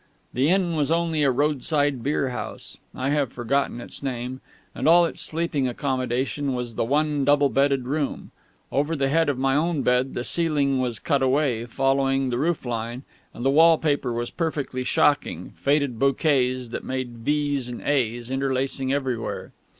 The inn was only a roadside beerhouse I have forgotten its name and all its sleeping accomodation was the one double bedded room. Over the head of my own bed the ceiling was cut away, following the roof line; and the wallpaper was perfectly shocking faded bouquets that made V's and A's, interlacing everywhere.